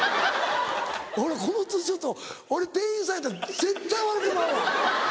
俺このツーショット俺店員さんやったら絶対笑うてまうわ。